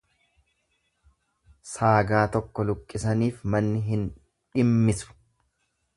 Saagaa tokko luqqisaniif manni hin dhimmisu.